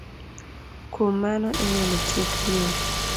Kuom mano, inyalo tiek dhier